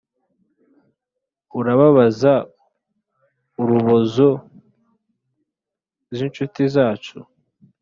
urababaza urubozo zinshuti zacu.